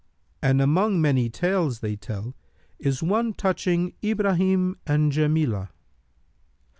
And among tales they tell is one touching IBRAHIM AND JAMILAH.